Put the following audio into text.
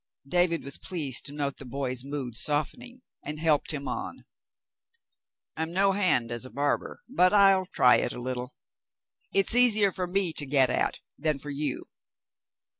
David was pleased to note the boy's mood softening, and helped him on. "I'm no hand as a barber, but I'll try it a little; it's easier for me to get at than for you."